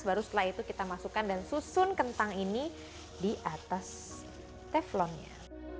baru setelah itu kita masukkan dan susun kentang ini di atas teflonnya